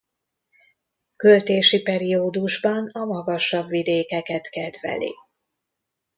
Költési periódusban a magasabb vidékeket kedveli.